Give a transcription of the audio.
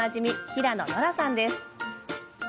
平野ノラさんです。